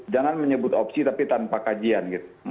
jangan menyebut opsi tapi tanpa kajian gitu